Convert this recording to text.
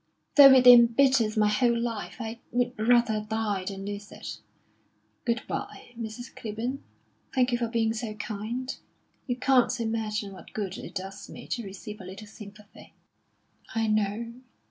Though it embitters my whole life, I would rather die than lose it. Good bye, Mrs. Clibborn. Thank you for being so kind. You can't imagine what good it does me to receive a little sympathy." "I know.